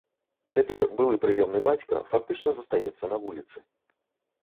Цяпер былы прыёмны бацька фактычна застаецца на вуліцы.